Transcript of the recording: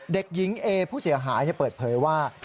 เด็กหญิงเอผู้เสียหายเปิดเผยว่า